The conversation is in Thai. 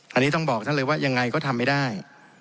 ก็เป็นอย่างเลว่าทำไม่ได้